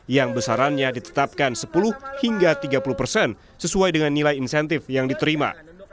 yang besarannya ditetapkan sepuluh hingga tiga puluh persen sesuai dengan nilai insentif yang diterima